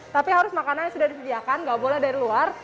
tapi harus makanan yang sudah disediakan nggak boleh dari luar